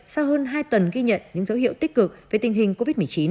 sau hơn hai tuần ghi nhận những dấu hiệu tích cực về tình hình covid một mươi chín